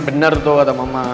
bener tuh kata mama